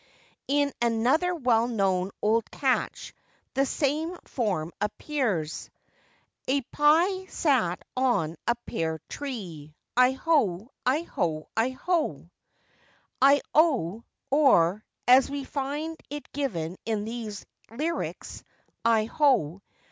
and in another well known old catch the same form appears:— 'A pye sat on a pear tree, I ho, I ho, I ho.' 'Io!' or, as we find it given in these lyrics, 'I ho!